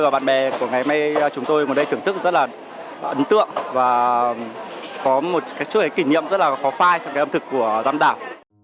và bạn bè của ngày mai chúng tôi ngồi đây thưởng thức rất là ấn tượng và có một chút kỷ niệm rất là khó phai trong cái ẩm thực của tam đảo